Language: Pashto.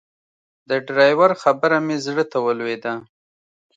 د ډرایور خبره مې زړه ته ولوېده.